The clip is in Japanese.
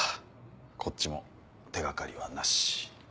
こっちも手掛かりはなし。